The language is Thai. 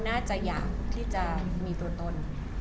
น่าจะอยากที่จะมีตัวตน